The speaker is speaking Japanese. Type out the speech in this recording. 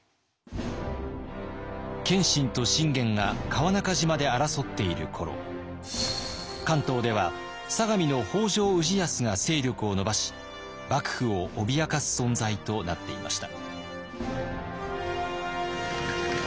謙信と信玄が川中島で争っている頃関東では相模の北条氏康が勢力を伸ばし幕府を脅かす存在となっていました。